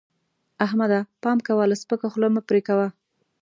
احمده! پام کوه؛ له سپکه خوله مه پرې کوه.